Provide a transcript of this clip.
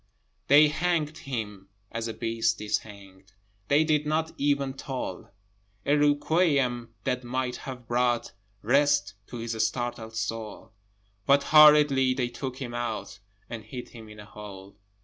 They hanged him as a beast is hanged: They did not even toll A requiem that might have brought Rest to his startled soul, But hurriedly they took him out, And hid him in a hole.